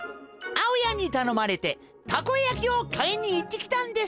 あおやんにたのまれてたこやきをかいにいってきたんですよ。